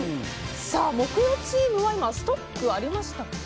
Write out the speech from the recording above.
木曜チームは優勝のストックありましたっけ？